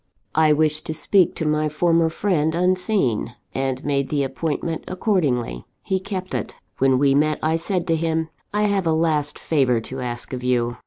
I wished to speak to my former friend, unseen, and made the appointment accordingly. He kept it. "When we met, I said to him: I have a last favour to ask of you.